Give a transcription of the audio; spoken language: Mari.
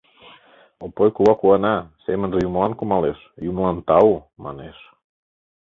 Опой кува куана, семынже юмылан кумалеш: юмылан тау, манеш.